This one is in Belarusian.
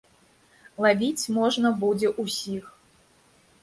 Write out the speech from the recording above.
Лавіць можна будзе ўсіх.